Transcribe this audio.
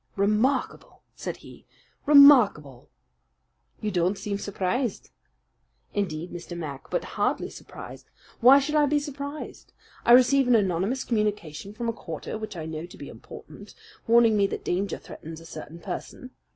"Remarkable!" said he. "Remarkable!" "You don't seem surprised." "Interested, Mr. Mac, but hardly surprised. Why should I be surprised? I receive an anonymous communication from a quarter which I know to be important, warning me that danger threatens a certain person.